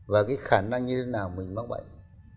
và cái khả năng như thế nào mình mắc bệnh